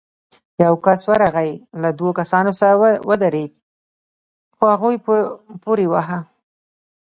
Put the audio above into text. يو کس ورغی، له دوو کسانو سره ودرېد، خو هغوی پورې واهه.